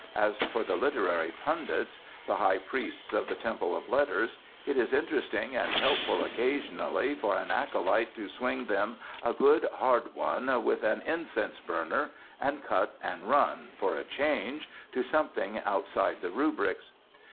As for the literary pundits, the high priests of the Temple of Letters, it is interesting and helpful occasionally for an acolyte to swinge them a good hard one with an incense burner, and cut and run, for a change, to something outside the rubrics.